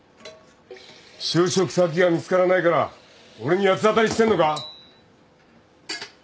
就職先が見つからないから俺に八つ当たりしてんのか？